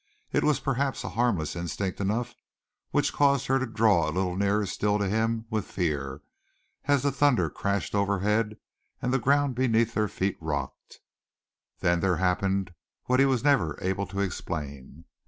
It was perhaps a harmless instinct enough which caused her to draw a little nearer still to him with fear, as the thunder crashed overhead and the ground beneath their feet rocked. Then there happened what he was never able to explain.